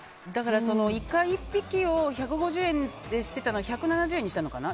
イカ１匹を１５０円ってしていたのが１７０円にしたのかな